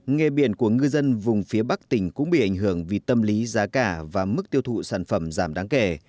nghề biển của ngư dân vùng phía bắc tỉnh cũng bị ảnh hưởng vì tâm lý giá cả và mức tiêu thụ sản phẩm giảm đáng kể